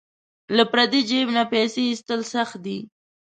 له پردي جیب نه پیسې ایستل سخت دي.